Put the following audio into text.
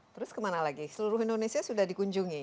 terus kemana lagi seluruh indonesia sudah dikunjungi